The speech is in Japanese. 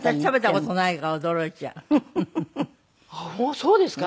そうですか？